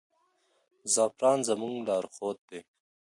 زعفران زموږ لارښود دی.